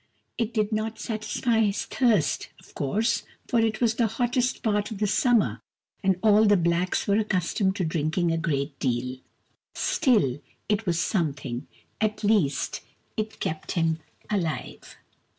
It did not satisfy his thirst, of course, for it was the hottest part of the summer, and all the blacks were accustomed to drinking a great deal : still, it was something. At least, it kept him alive.